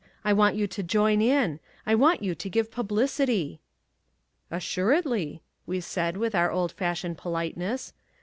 I want you to join in. I want you to give publicity." "Assuredly," we said, with our old fashioned politeness.